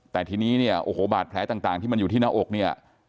แต่ทีนี้เนี่ยโอ้โหบาดแผลต่างที่มันอยู่ที่หน้าอกเนี่ย